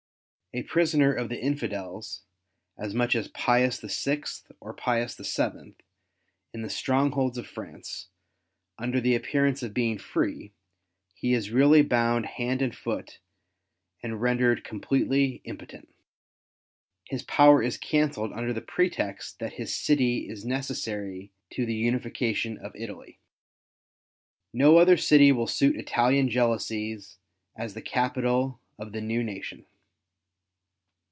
A prisoner of the Infidels, as much as Pius VI. or Pius VII. in the strongholds of France, under the appearance of being free, he is really bound hand and foot and rendered completely impotent. His power is cancelled under pretext that his city is necessary to the uniiication of Italy. No other city will suit Italian jealousies as the capital of the new nation.